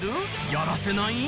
やらせない？